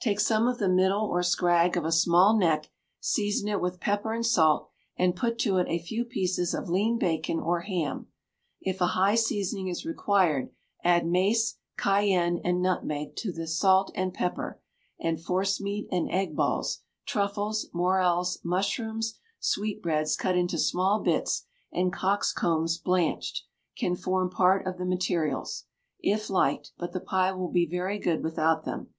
Take some of the middle or scrag of a small neck; season it with pepper and salt, and, put to it a few pieces of lean bacon or ham. If a high seasoning is required, add mace, cayenne, and nutmeg to tho salt and pepper, and forcemeat and egg balls, truffles, morels, mushrooms, sweetbreads cut into small bits, and cocks' combs blanched, can form part of the materials, if liked, but the pie will be very good without them.